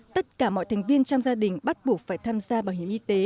tất cả mọi thành viên trong gia đình bắt buộc phải tham gia bảo hiểm y tế